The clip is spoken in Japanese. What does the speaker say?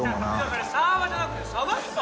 それサーバーじゃなくて鯖っすよ！